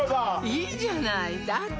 いいじゃないだって